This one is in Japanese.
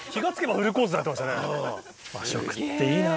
和食っていいな。